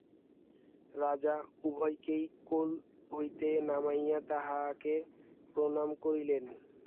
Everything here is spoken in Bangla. রাজা উভয়কেই কোল হইতে নামাইয়া তাঁহাকে প্রণাম করিলেন।